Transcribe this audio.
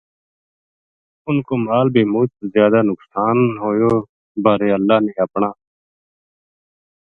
اِنھ کو مال بے مُچ زیادہ نقصان ہویو با اللہ نے اپنا